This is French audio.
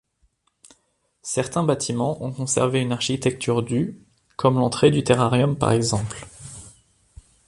Certains bâtiments ont conservé une architecture du comme l'entrée du terrarium par exemple.